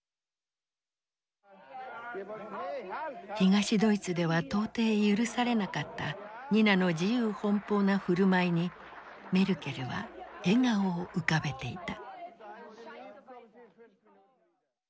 東ドイツでは到底許されなかったニナの自由奔放な振る舞いにメルケルは笑顔を浮かべていた。